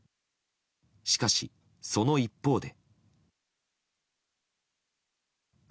しかし、その一方で。